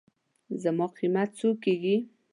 زما قېمت څو کېږي.